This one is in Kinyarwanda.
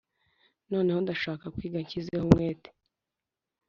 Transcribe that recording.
Noneho ndashaka kwiga nshyizeho umwete